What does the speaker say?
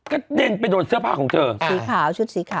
เด็นไปโดนเสื้อผ้าของเธอสีขาวชุดสีขาว